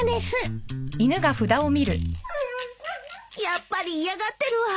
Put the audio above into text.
やっぱり嫌がってるわ。